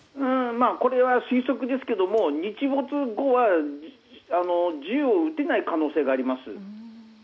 推測ですけど日没後は銃を撃てない可能性があります。